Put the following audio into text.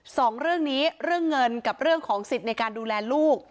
สองเรื่องนี้เรื่องเงินกับเรื่องของสิทธิ์ในการดูแลลูก